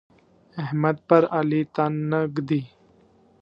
احمد پر علي تن نه ږدي.